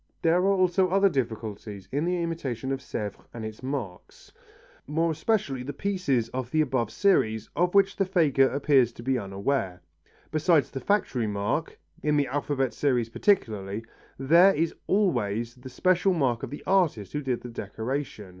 There are also other difficulties in the imitation of Sèvres and its marks, more especially the pieces of the above series, of which the faker appears to be unaware. Beside the factory mark, in the alphabet series particularly, there is always the special mark of the artist who did the decoration.